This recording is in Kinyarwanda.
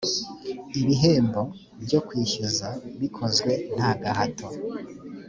ibihembo byo kwishyuza bikozwe nta gahato